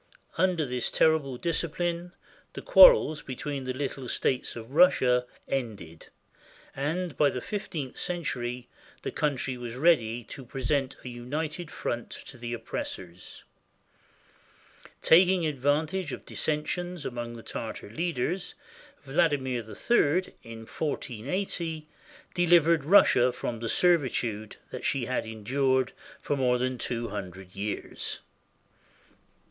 Under this terrible discipline the quar rels between the little states of Russia ended, and by the fif teenth century the country was ready to present a united front to the oppressors. Taking advantage of dissensions among the Tartar leaders, Vladimir III, in 1480, delivered Russia from the servitude that she had endured for more than two hundred years.